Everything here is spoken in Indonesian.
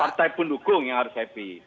partai pendukung yang harus happy